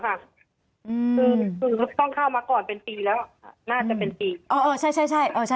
ก็ต้องเข้ามาก่อนเป็นตีแล้วและจะเป็นปี